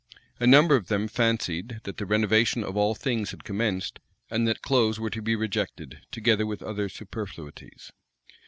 A number of them fancied, that the renovation of all things had commenced, and that clothes were to be rejected, together with other superfluities.